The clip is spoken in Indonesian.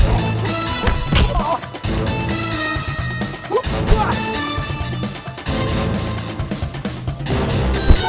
sampai jumpa di video selanjutnya